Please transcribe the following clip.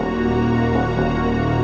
aku akan mencobanya